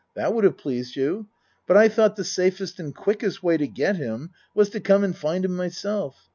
That would have pleased you? But I tho't the safest and quickest way to get him was to come and find him myself.